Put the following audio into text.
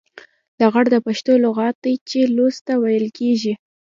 لغړ د پښتو لغت دی چې لوڅ ته ويل کېږي.